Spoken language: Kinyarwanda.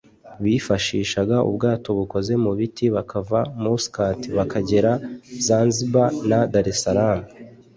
Bifashishaga ubwato bukoze mu biti bakava Muscat bakagera Zanzibar na Dar Es Salaam